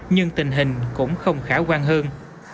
nhưng tình hình cũng không khả quan hơn